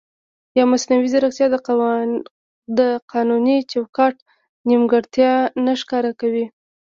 ایا مصنوعي ځیرکتیا د قانوني چوکاټ نیمګړتیا نه ښکاره کوي؟